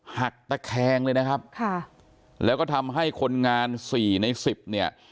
หักตะแคงเลยนะครับแล้วก็ทำให้คนงาน๔ใน๑๐เนี่ย